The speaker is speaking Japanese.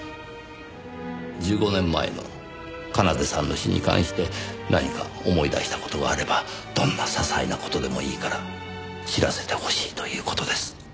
１５年前の奏さんの死に関して何か思い出した事があればどんな些細な事でもいいから知らせてほしいという事です。